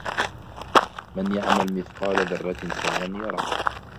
فمن يعمل مثقال ذرة خيرا يره